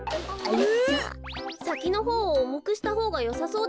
さきのほうをおもくしたほうがよさそうですね。